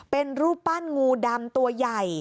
เป็นรูปปั้นงูดำตัวใหญ่